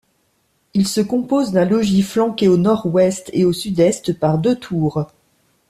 Il se compose d'un logis flanqué au nord-ouest et au sud-est par deux tours.